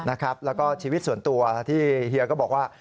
แล้วก็ชีวิตส่วนตัวที่เฮียก็บอกว่า